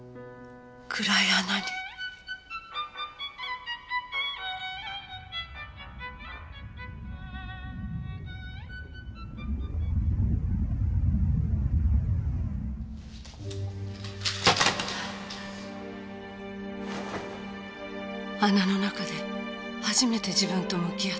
穴の中で初めて自分と向き合った。